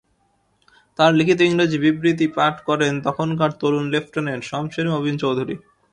তাঁর লিখিত ইংরেজি বিবৃতি পাঠ করেন তখনকার তরুণ লেফটেন্যান্ট শমসের মবিন চৌধুরী।